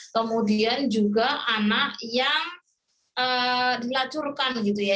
kemudian juga anak yang dilacurkan gitu ya